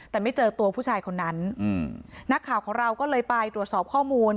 แต่ไม่เจอตัวผู้ชายคนนั้นอืมนักข่าวของเราก็เลยไปตรวจสอบข้อมูล